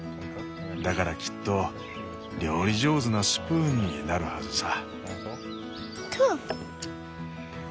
だからきっと料理上手なスプーンになるはずさ。